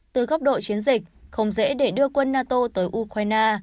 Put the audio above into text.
từ góc độ chiến dịch không dễ để đưa quân nato tới ukraine